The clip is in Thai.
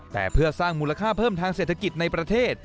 แต่เพื่อสร้างมูลค่าเพิ่มทางเศรษฐกิจในประเทศ